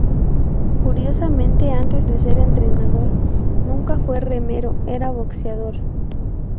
Curiosamente antes de ser entrenador nunca fue remero, era boxeador.